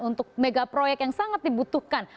untuk mega proyek yang sangat dibutuhkan